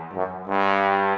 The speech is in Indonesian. nih bolok ke dalam